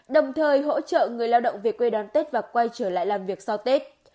đồng thời hỗ trợ người lao động về quê đón tết và quay trở lại làm việc sau tết